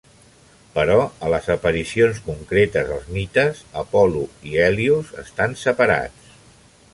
Però a les aparicions concretes als mites, Apol·lo i Hèlios estan separats.